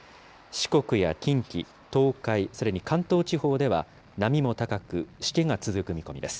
四国や近畿、東海、それに関東地方では、波も高く、しけが続く見込みです。